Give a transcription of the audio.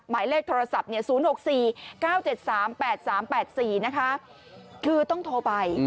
หมายเลขโทรศัพท์๐๖๔๙๗๓๘๓๘๔นะคะคือต้องโทรไป